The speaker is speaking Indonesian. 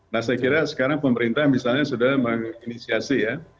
nah saya kira sekarang pemerintah misalnya sudah menginisiasi ya